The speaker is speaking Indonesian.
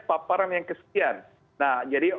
paparan yang kesekian nah jadi